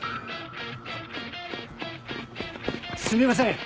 すみません！